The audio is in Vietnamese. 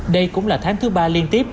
đây cũng là tháng thứ ba liên tiếp